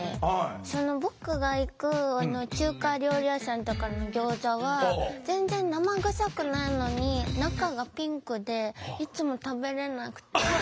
その僕が行く中華料理屋さんとかのギョーザは全然生臭くないのに中がピンクでいつも食べれなくて。